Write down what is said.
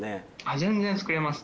全然作れます。